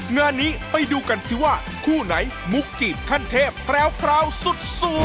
งานนี้ไปดูกันสิว่าคู่ไหนมุกจีบขั้นเทพแพร้วสุด